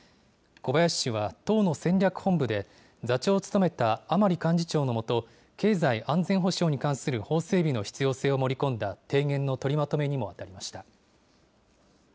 小林氏は、党の戦略本部で、座長を務めた甘利幹事長の下、経済安全保障に関する法整備の必要性を盛り込んだ提言の取りまとめにも当たりました。